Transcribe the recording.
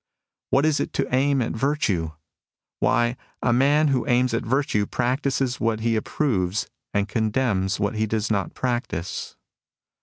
... What is it to aim at virtue ? Why, a man who aims at virtue practises what he ap proves and condemns what he does not practise."